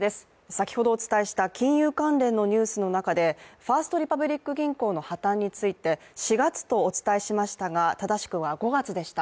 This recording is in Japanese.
先ほどお伝えした金融関連のニュースの中でファースト・リパブリック銀行の破綻について４月とお伝えしましたが正しくは５月でした。